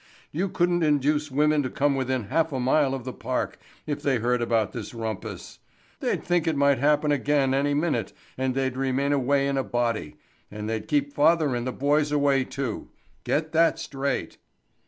You couldn't induce women to come within half a mile of the park if they heard about this rumpus. They'd think it might happen again any minute and they'd remain away in a body—and they'd keep father and the boys away too. Get that straight."